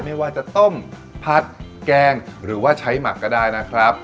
ไม่ว่าจะต้มผัดแกงหรือว่าใช้หมักก็ได้นะครับ